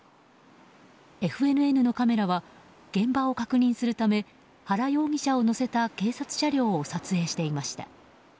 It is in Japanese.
ＦＮＮのカメラは現場を確認するため原容疑者を乗せた警察車両を撮影していました。